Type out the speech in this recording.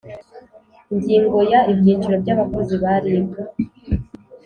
Ingingo ya ibyiciro by abakozi ba rib